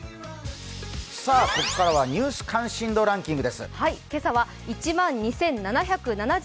ここからは「ニュース関心度ランキング」。